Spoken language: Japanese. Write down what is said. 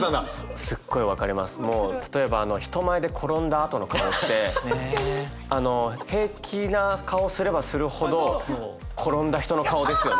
もう例えば人前で転んだあとの顔ってあの平気な顔をすればするほど転んだ人の顔ですよね。